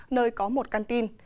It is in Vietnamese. nơi có một can tin